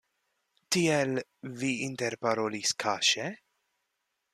Tiel, vi interparolis kaŝe?